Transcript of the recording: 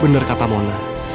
benar kata mona